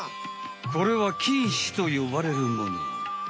これは菌糸とよばれるもの。